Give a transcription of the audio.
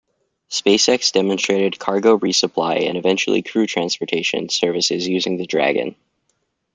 SpaceX demonstrated cargo resupply and eventually crew transportation services using the Dragon.